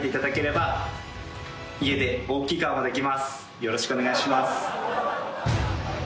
よろしくお願いします。